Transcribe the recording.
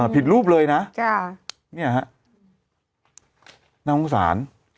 ผิดรูปเลยนะ